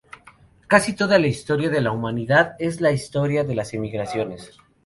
Casi toda la historia de la humanidad es la historia de las emigraciones.